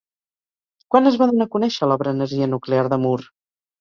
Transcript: Quan es va donar a conèixer l'obra Energia Nuclear de Moore?